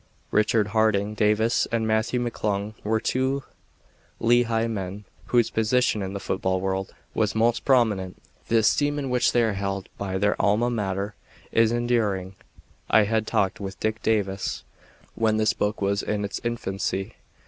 Richard Harding Davis and Matthew McClung were two Lehigh men whose position in the football world was most prominent. The esteem in which they are held by their Alma Mater is enduring. I had talked with Dick Davis when this book was in its infancy.